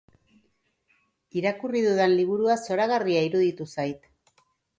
Irakurri dudan liburua zoragarria iruditu zait.